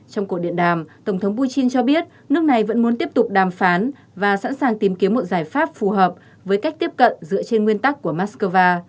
trong cuộc điện đàm tổng thống putin cho biết nước này vẫn muốn tiếp tục đàm phán và sẵn sàng tìm kiếm một giải pháp phù hợp với cách tiếp cận dựa trên nguyên tắc của moscow